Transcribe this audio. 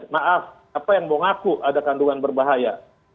maaf apa yang mau ngaku ada kandungan berbahaya